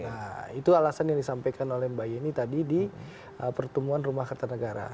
nah itu alasan yang disampaikan oleh mbak yeni tadi di pertemuan rumah kertanegara